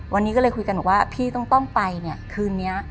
วันนี้ก็เลยคุยกันว่าพี่ต้องไปคืนนี้